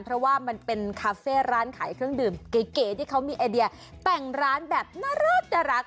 เพราะว่ามันเป็นคาเฟ่ร้านขายเครื่องดื่มเก๋ที่เขามีไอเดียแต่งร้านแบบน่ารัก